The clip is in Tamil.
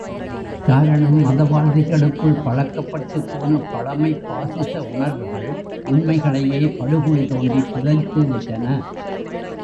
காரணம், மதவாதிகளுக்குள் பழக்கப்பட்டுப் போன பழமைப் பாசிச உணர்வுகள், உண்மைகளையே படுகுழி தோண்டிப் புதைத்துவிட்டன.